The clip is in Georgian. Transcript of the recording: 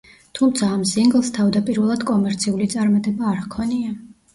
თუმცა, ამ სინგლს თავდაპირველად კომერციული წარმატება არ ჰქონია.